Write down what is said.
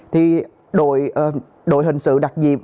thì đội hình sự đặc diệp